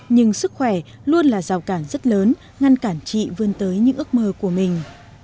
nhưng sức khỏe luôn là rào cản rất lớn ngăn cản chị vươn tới những ước mơ của mình